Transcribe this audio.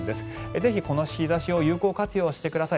ぜひこの日差しを有効活用してください。